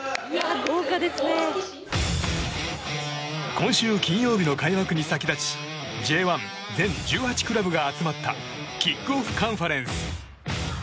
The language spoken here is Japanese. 今週金曜日の開幕に先立ちＪ１全１８クラブが集まったキックオフカンファレンス。